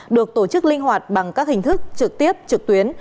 được tổ chức linh hoạt bằng các hình thức trực tiếp trực tuyến